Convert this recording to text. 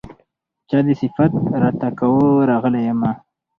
چا دې صفت راته کاوه راغلی يمه